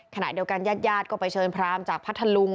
ขณะเดียวกันญาติญาติก็ไปเชิญพรามจากพัทธลุง